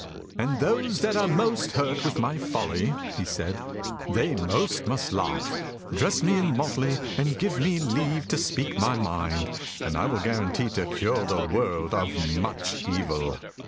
"And those that are most hurt with my folly," he said, "they most must laugh. Dress me in motley, and give me leave to speak my mind, and I will guarantee to cure the world of much evil."